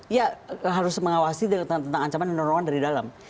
ya harus mengawasi tentang ancaman dan norowangan dari dalam